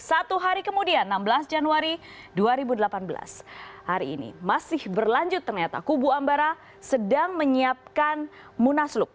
satu hari kemudian enam belas januari dua ribu delapan belas hari ini masih berlanjut ternyata kubu ambara sedang menyiapkan munaslup